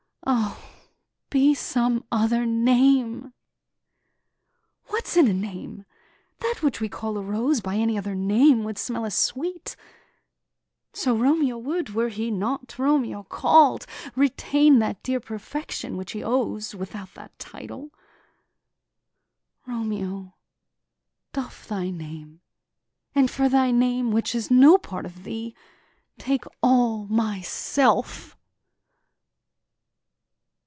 O, be some other name! What's in a name? that which we call a rose, By any other name would smell as sweet; So Romeo would, were he not Romeo called, Retain that dear perfection which he owes, Without that title: Romeo, doff thy name; And for thy name, which is no part of thee, Take all myself!"